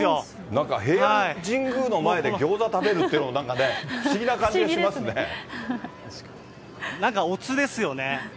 なんか平安神宮の前でギョーザ食べるっていうのも不思議な感なんかおつですよね。